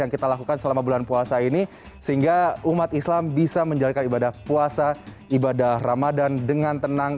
yang kita lakukan selama bulan puasa ini sehingga umat islam bisa menjalankan ibadah puasa ibadah ramadan dengan tenang